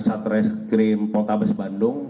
satres krim pota bes bandung